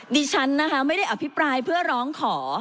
ดิฉันนะคะไม่ได้อภิปรายเพื่อร้องขอ